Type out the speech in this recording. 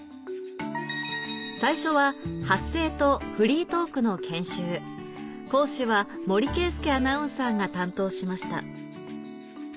最初は発声とフリートークの研修講師は森圭介アナウンサーが担当しました